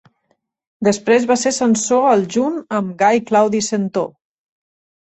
Després va ser censor el junt amb Gai Claudi Centó.